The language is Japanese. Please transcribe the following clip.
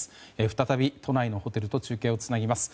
再び都内のホテルと中継をつなぎます。